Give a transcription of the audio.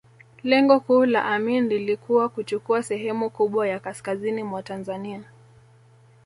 Lengo kuu la Amin lilikuwa kuchukua sehemu kubwa ya kaskazini mwa Tanzania